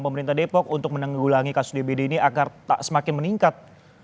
pemerintah depok untuk menanggulangi kasus dbd ini agar tak semakin meningkat